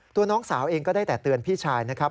น้องสาวเองก็ได้แต่เตือนพี่ชายนะครับ